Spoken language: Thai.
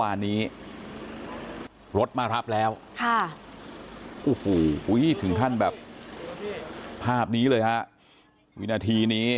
คะวินาทีนี้มันบีบหัวใจเหลือเกิน